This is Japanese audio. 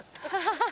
ハハハ！